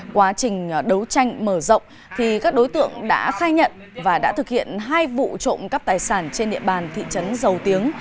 quá trình đấu tranh mở rộng thì các đối tượng đã khai nhận và đã thực hiện hai vụ trộm cắp tài sản trên địa bàn thị trấn dầu tiếng